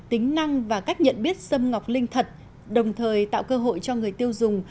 tính năng và cách nhận biết sâm ngọc linh thật đồng thời tạo cơ hội cho người tiêu dùng